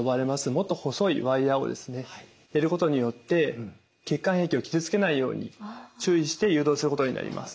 もっと細いワイヤーをですね入れることによって血管壁を傷つけないように注意して誘導することになります。